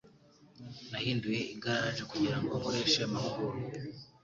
Nahinduye igaraje kugirango nkoreshe amahugurwa.